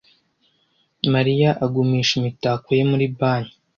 Mariya agumisha imitako ye muri banki.